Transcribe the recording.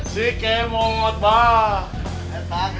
si kemon mbak